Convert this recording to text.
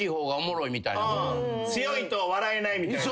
強いと笑えないみたいな。